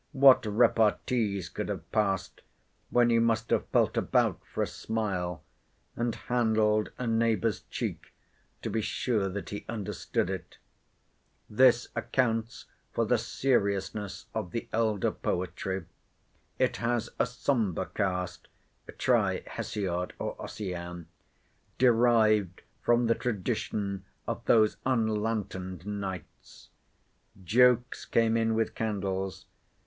What repartees could have passed, when you must have felt about for a smile, and handled a neighbour's cheek to be sure that he understood it? This accounts for the seriousness of the elder poetry. It has a sombre cast (try Hesiod or Ossian), derived from the tradition of those unlantern'd nights. Jokes came in with candles.